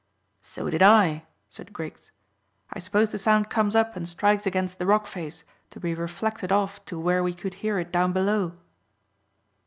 "So did I," said Griggs. "I suppose the sound comes up and strikes against the rock face, to be reflected off to where we could hear it down below."